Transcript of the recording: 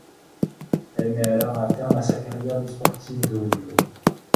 Elle met alors un terme à sa carrière de sportive de haut niveau.